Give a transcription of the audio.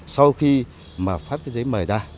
sau khi mà phát cái giấy mời ra